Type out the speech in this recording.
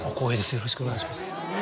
よろしくお願いします。